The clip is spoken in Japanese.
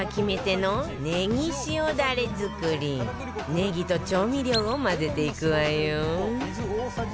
ねぎと調味料を混ぜていくわよ